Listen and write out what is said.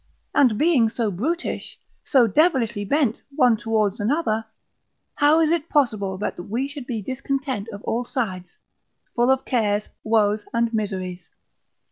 And being so brutish, so devilishly bent one towards another, how is it possible but that we should be discontent of all sides, full of cares, woes, and miseries?